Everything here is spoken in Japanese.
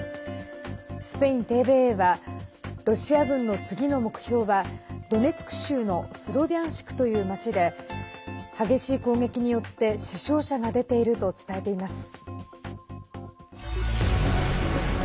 スペインＴＶＥはロシア軍の次の目標はドネツク州のスロビャンシクという町で激しい攻撃によって死傷者が出ていると伝えています。